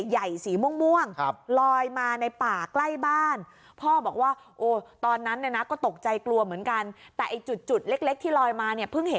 ใหญ่สีม่วง